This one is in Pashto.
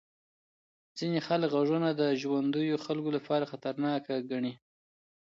ځینې خلک غږونه د ژوندیو خلکو لپاره خطرناک ګڼي.